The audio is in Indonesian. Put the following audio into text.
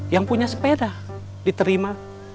yang punya sepeda diterima